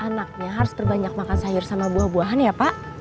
anaknya harus terbanyak makan sayur sama buah buahan ya pak